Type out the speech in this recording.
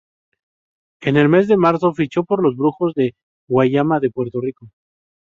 En el mes de marzo fichó por los Brujos de Guayama de Puerto Rico.